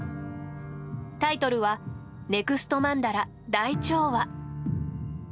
タイトルは「ネクストマンダラ‐大調和」。